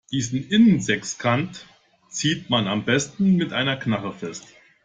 Diesen Innensechskant zieht man am besten mit einer Knarre fest.